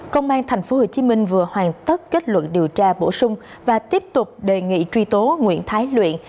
công an tp hcm vừa hoàn tất kết luận điều tra bổ sung và tiếp tục đề nghị truy tố nguyễn thái luyện